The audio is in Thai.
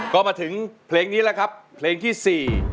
ก็มาถึงเพลงนี้แล้วครับเพลงที่สี่